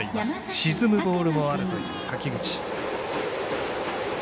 沈むボールもあるという滝口。